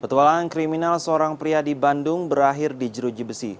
petualangan kriminal seorang pria di bandung berakhir di jeruji besi